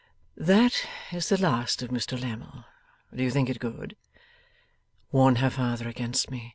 'That is the last of Mr Lammle. Do you think it good? Warn her father against me.